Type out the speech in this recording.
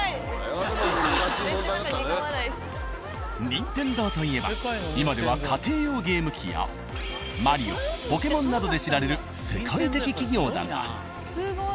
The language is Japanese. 「任天堂」といえば今では家庭用ゲーム機やマリオポケモンなどで知られる世界的企業だが。